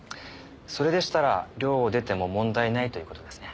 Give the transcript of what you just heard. それでしたら寮を出ても問題ないということですね？